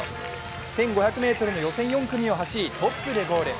１５００ｍ予選４組を走りトップでゴール。